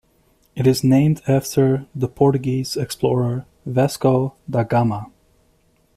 It is named after the Portuguese explorer Vasco da Gama.